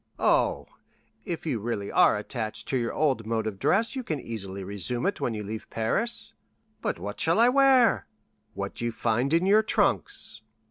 "Oh, if you really are attached to your old mode of dress; you can easily resume it when you leave Paris." "But what shall I wear?" "What you find in your trunks."